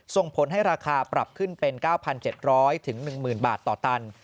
ส่งผลให้ราคาปรับขึ้นเป็น๙๗๐๐๑๐๐๐บาทต่อตัน